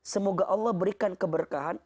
semoga allah berikan keberkahan